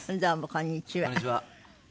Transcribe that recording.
こんにちは。